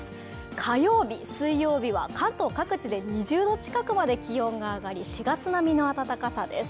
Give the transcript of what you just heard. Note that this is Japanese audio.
火曜日、水曜日は関東各地で２０度近くまで気温が上がり、４月並みの暖かさです。